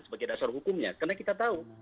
sebagai dasar hukumnya karena kita tahu